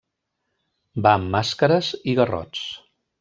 Van amb màscares i garrots.